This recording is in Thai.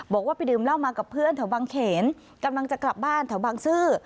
บอกว่าไปดื่มเหล้ามากับเพื่อนแถวบางเขนกำลังจะกลับบ้านแถวบางซื่อ